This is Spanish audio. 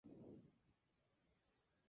Nace en Inglaterra.